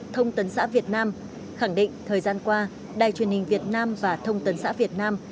thông tấn xã việt nam khẳng định thời gian qua đài truyền hình việt nam và thông tấn xã việt nam